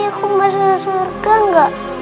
aku masuk surga enggak